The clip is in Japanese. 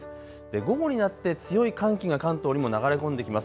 午後になって強い寒気が関東にも流れ込んできます。